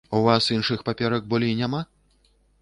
У вас іншых паперак болей няма?